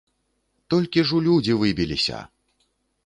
Толькі ж у людзі выбіліся!